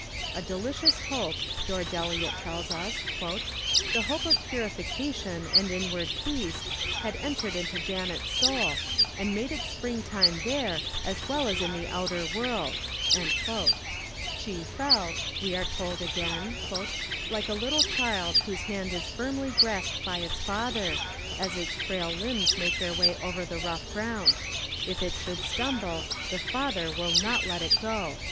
'A delicious hope,' George Eliot tells us, '_the hope of purification and inward peace, had entered into Janet's soul, and made it spring time there as well as in the outer world!_' 'She felt,' we are told again, '_like a little child whose hand is firmly grasped by its father, as its frail limbs make their way over the rough ground: if it should stumble, the father will not let it go.